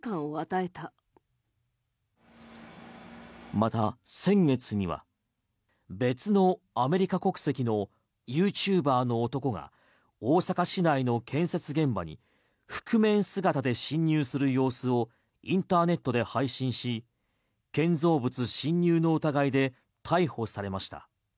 まだ先月には別のアメリカ国籍のユーチューバーの男が大阪市内の建設現場に覆面姿で侵入する様子をインターネットで配信し建造物侵入の疑いで逮捕されました。